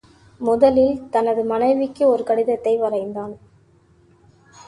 முதலில் தனது மனைவிக்கு ஒரு கடிதத்தை வரைந்தார்.